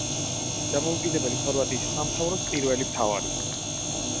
დამოუკიდებელი ხორვატიის სამთავროს პირველი მთავარი.